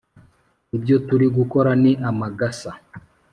ibyo turi gukora ni amagasa